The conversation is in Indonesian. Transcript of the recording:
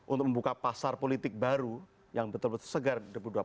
untuk membuka pasar politik baru yang betul betul segar dua ribu dua puluh empat